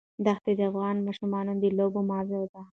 دښتې د افغان ماشومانو د لوبو موضوع ده.